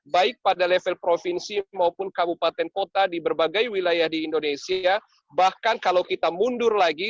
baik pada level provinsi maupun kabupaten kota di berbagai wilayah di indonesia bahkan kalau kita mundur lagi